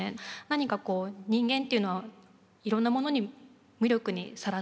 何か人間っていうのはいろんなものに無力にさらされている。